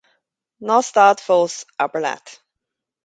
Ná stad fós, abair leat.